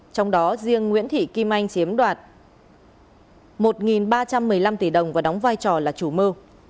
trong đó riêng nguyễn thị kim anh chiếm đoạt một ba trăm một mươi năm tỷ đồng và đóng vai trò là chủ mơ